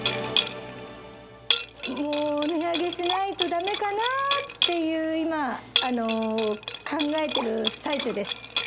もう、値上げしないとだめかなーっていう、今、考えている最中です。